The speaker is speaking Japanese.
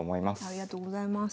ありがとうございます。